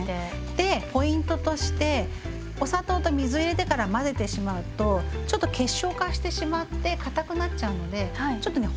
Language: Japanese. でポイントとしてお砂糖と水を入れてから混ぜてしまうとちょっと結晶化してしまってかたくなっちゃうのでちょっとね